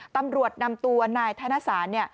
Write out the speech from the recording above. ตำรวจนำตัวนายธนสาร